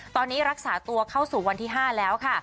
ตอนนี้รักษาตัวเข้าสู่วันที่๕แล้วค่ะ